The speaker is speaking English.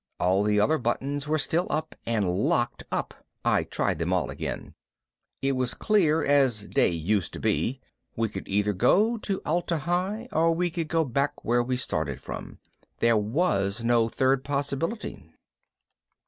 All the other buttons were still up and locked up I tried them all again. It was clear as day used to be. We could either go to Atla Hi or we could go back where we'd started from. There was no third possibility.